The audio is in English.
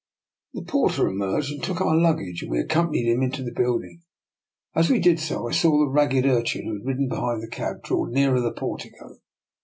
The porter emerged and took our lug gage, and we accompanied him into the build ing. As we did so I saw the ragged urchin who had ridden behind the cab draw nearer the portico.